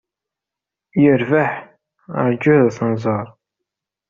Yerbeḥ, rju ad t-nẓer.